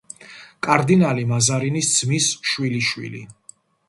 კარდინალი მაზარინის ძმის შვილიშვილი.